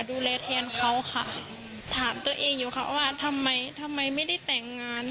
ดูแลแทนเขาค่ะถามตัวเองอยู่ค่ะว่าทำไมทำไมไม่ได้แต่งงาน